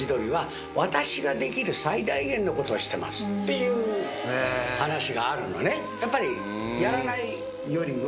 いう話があるのね。